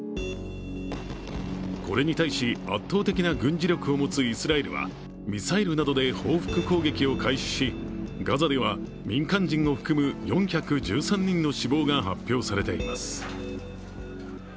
これに対し、圧倒的な軍事力を持つイスラエルはミサイルなどで報復攻撃を開始しガザでは民間人を含む４１３人の死亡が発表されています。